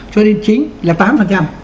cho nên chính là tám